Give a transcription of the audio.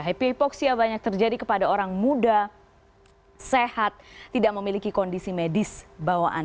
happy hypoxia banyak terjadi kepada orang muda sehat tidak memiliki kondisi medis bawaan